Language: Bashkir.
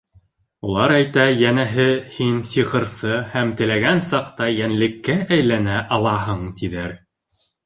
Улар әйтә, йәнәһе, һин сихырсы һәм теләгән саҡта йәнлеккә әйләнә алаһың, тиҙәр.